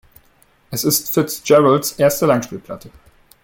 Es ist Fitzgeralds erste Langspielplatte.